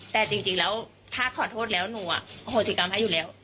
แต่จริงแล้วถ้าขอโทษแล้วหนูอโหสิกรรมให้อยู่แล้ว